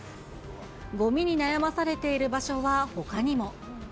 ごみに悩まされている場所はほかにも。